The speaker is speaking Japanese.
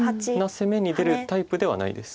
攻めに出るタイプではないです。